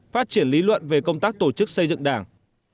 phát triển lý luận về công tác tổ chức xây dựng đảng